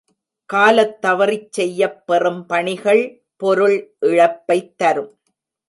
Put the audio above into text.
காலத் தவறிச் செய்யப் பெறும் பணிகள் பொருள் இழப்பைத் தரும்.